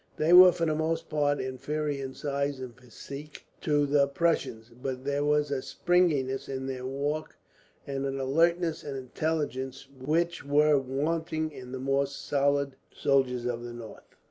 They were, for the most part, inferior in size and physique to the Prussians; but there was a springiness in their walk, and an alertness and intelligence which were wanting in the more solid soldier of the north.